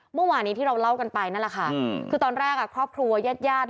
เมื่อวานนี้ที่เราเล่ากันไปนั่นแหละค่ะคือตอนแรกอ่ะครอบครัวยาด